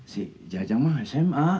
si jajang mah sma